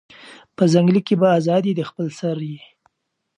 په ځنگله کی به آزاد یې د خپل سر یې